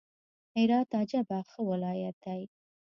هرات عجبه ښه ولايت دئ!